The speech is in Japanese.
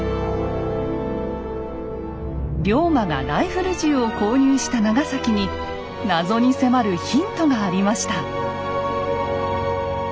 龍馬がライフル銃を購入した長崎に謎に迫るヒントがありました。